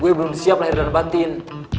gue belum siap lahir dari batin